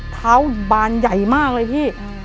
เท้าบานใหญ่มากเลยพี่